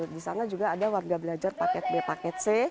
di sana juga ada warga belajar paket b paket c